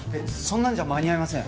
そんなんじゃ間に合いません。